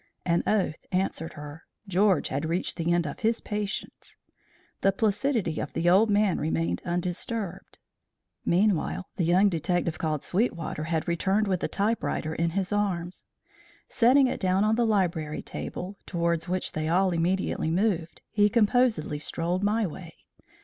An oath answered her. George had reached the end of his patience. The placidity of the old man remained undisturbed. Meanwhile the young detective called Sweetwater had returned with the typewriter in his arms. Setting it down on the library table, towards which they all immediately moved, he composedly strolled my way.